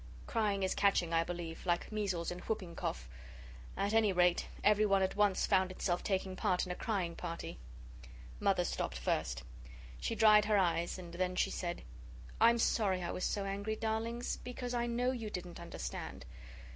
Crying is catching, I believe, like measles and whooping cough. At any rate, everyone at once found itself taking part in a crying party. Mother stopped first. She dried her eyes and then she said: "I'm sorry I was so angry, darlings, because I know you didn't understand."